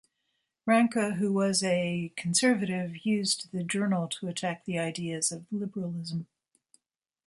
Ranke, who was a conservative, used the journal to attack the ideas of Liberalism.